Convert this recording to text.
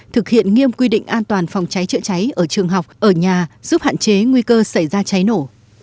thực hiện nghiêm quy định an toàn phòng cháy chữa cháy ở trường học ở nhà giúp hạn chế nguy cơ xảy ra cháy nổ